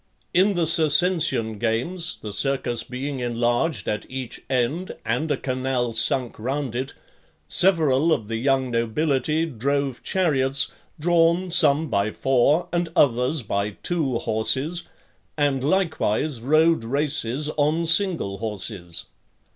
In the Circensisn games; the circus being enlarged at each end, and a canal sunk round it, several of the young nobility drove chariots, drawn, some by four, and others by two horses, and likewise rode races on single horses.